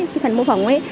cái phần mô phỏng ấy